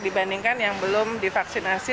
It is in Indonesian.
dibandingkan yang belum divaksinasi